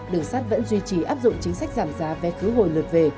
đường sắt vẫn duy trì áp dụng chính sách giảm giá vé khứ hồi lượt về